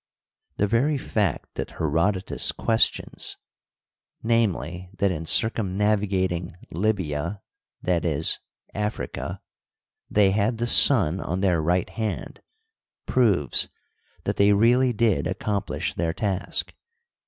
The very fact that Herodotus questions — namely, that in circumnavigating " Libya '* (i. e., Africa) they had the sun on their right hand — proves that they really did accomplish their task.